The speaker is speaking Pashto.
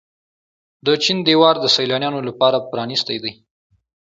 د چین دیوار د سیلانیانو لپاره پرانیستی دی.